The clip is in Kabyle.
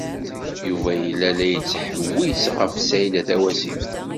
Yuba yella la yettḥewwis ɣef Saɛida Tawasift.